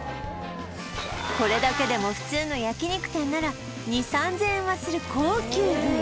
これだけでも普通の焼肉店なら２０００３０００円はする高級部位